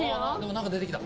何か出て来た。